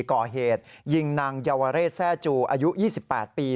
ก่อเหตุยิงนางเยาวเรศแร่จูอายุ๒๘ปี